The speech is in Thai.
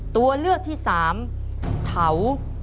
ตัวเลือกที่๓เถา